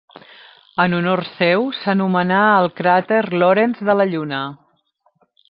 En honor seu, s'anomenà el cràter Lorentz de la Lluna.